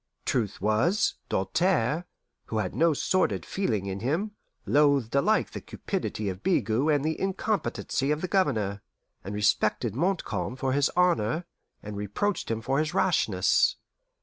Truth was, Doltaire, who had no sordid feeling in him, loathed alike the cupidity of Bigot and the incompetency of the Governor, and respected Montcalm for his honour, and reproached him for his rashness.